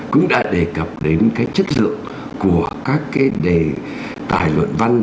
cũng đã đề cập đến cái chất lượng của các cái đề tài luận văn